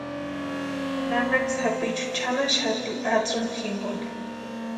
Nanaka sapichu chʼanaxati atsïmu jinkoni.